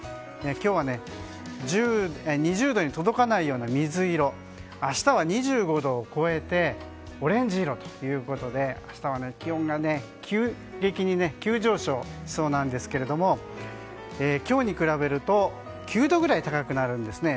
今日は２０度に届かないような水色明日は２５度を超えてオレンジ色ということで明日は気温が急上昇しそうなんですけども今日に比べると９度ぐらい高くなるんですね。